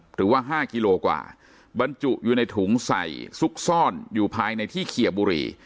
หรือว่า๕กิโลกว่าบรรจุอยู่ในถุงใส่ซุกซ่อนอยู่ภายในที่เคียบุรี